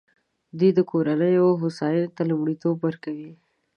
دوی د کورنیو هوساینې ته لومړیتوب ورکوي.